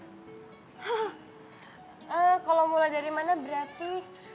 hah kalau mulai dari mana berarti